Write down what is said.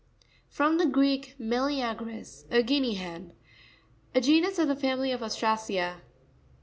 —From the Greek, me leagris, a guinea hen. A genus of the family of Ostracea.